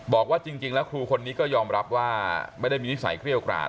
บอกว่าจริงแล้วครูคนนี้ก็ยอมรับว่าไม่ได้มีนิสัยเกรี้ยวกราด